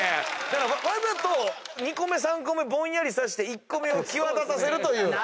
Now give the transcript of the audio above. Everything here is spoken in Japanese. わざと２個目３個目ぼんやりさせて１個目を際立たせるという。